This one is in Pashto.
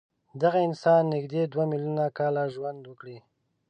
دغه انسان نږدې دوه میلیونه کاله ژوند وکړ.